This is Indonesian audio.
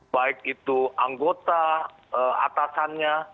baik itu anggota atasannya